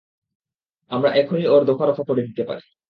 আমরা এখনই ওর দফারফা করে দিতে পারি।